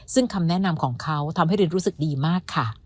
ซึ่งคำแนะนำของเขาทำให้รินรู้สึกดีมากค่ะ